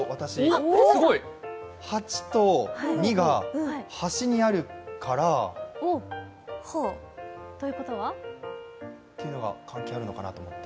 ８と２が端にあるからというのが関係あるかなと思って。